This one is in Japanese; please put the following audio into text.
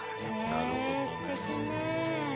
なるほど。